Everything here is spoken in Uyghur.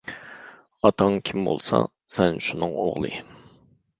ئاتاڭ كىم بولسا، سەن شۇنىڭ ئوغلى.